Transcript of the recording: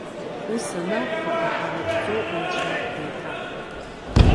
Ус анакәха, иҳаракӡоу унцәа деиҭаҳәа.